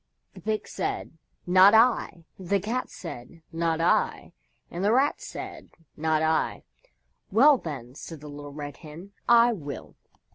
The Pig said, "Not I," the Cat said, "Not I," and the Rat said, "Not I." "Well, then," said the Little Red Hen, "I will."